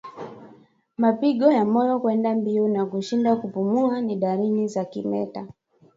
Mapigo ya moyo kwenda mbio na kushindwa kupumua ni dalili za kimeta